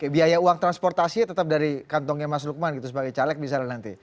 biaya uang transportasinya tetap dari kantongnya mas lukman gitu sebagai caleg misalnya nanti